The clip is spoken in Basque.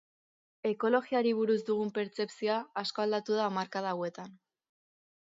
Ekologiari buruz dugun pertzepzioa asko aldatu da hamarkada hauetan.